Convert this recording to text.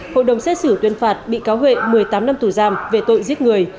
hội đồng xét xử tuyên phạt bị cáo huệ một mươi tám năm tù giam về tội giết người